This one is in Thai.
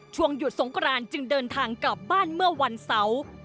ช่วงหยุดสงกรานจึงเดินทางกลับบ้านเมื่อวันเสาร์